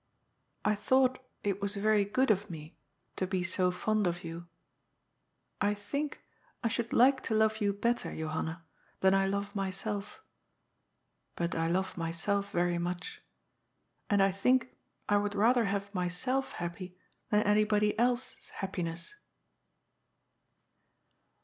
I thought it was very good of me to be so fond of you. I think I should like to love you better, Johanna, than I love myself. But I love myself very much. And I think I would rather have myself happy than any body else's happiness."